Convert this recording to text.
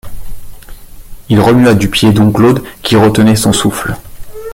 Il remua du pied dom Claude, qui retenait son souffle.